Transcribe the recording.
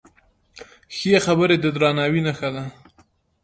ښې خبرې د درناوي نښه ده.